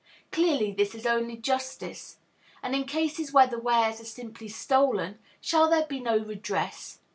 Clearly, this is only justice. And in cases where the wares are simply stolen, shall there be no redress?